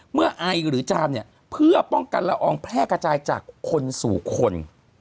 เมื่อไอหรือจามเนี่ยเพื่อป้องกันละอองแพร่กระจายจากคนสู่คน